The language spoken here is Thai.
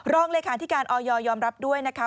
รองเลยค่ะที่การออยอยอมรับด้วยนะคะ